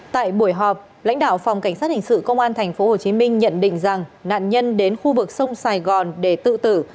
tại buổi họp lãnh đạo phòng cảnh sát hình sự công an tp hcm nhận định rằng nạn nhân đến khu vực sông sài gòn để tự tử